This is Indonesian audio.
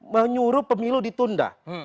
menyuruh pemilu ditunda